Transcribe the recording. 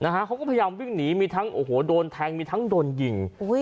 เขาก็พยายามวิ่งหนีมีทั้งโอ้โหโดนแทงมีทั้งโดนยิง